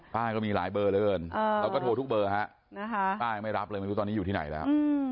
ก็มีหลายเบอร์เหลือเกินเราก็โทรทุกเบอร์ฮะป้ายังไม่รับเลยไม่รู้ตอนนี้อยู่ที่ไหนแล้ว